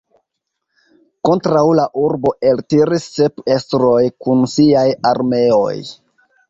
Kontraŭ la urbo eltiris sep estroj kun siaj armeoj.